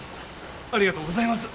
ありがとうございます！